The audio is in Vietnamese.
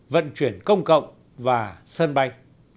vận chuyển công cộng và sân bay